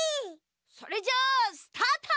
それじゃスタート！